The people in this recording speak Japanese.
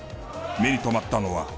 目に留まったのは。